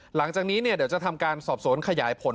หลังจากนี้เดี๋ยวจะทำการสอบสวนขยายผล